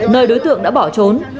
nơi đối tượng đã bỏ trốn